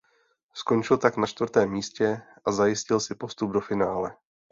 Skončil tak na čtvrtém místě a zajistil si postup do finále.